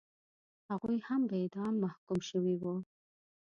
هغوی هم په اعدام محکوم شوي وو.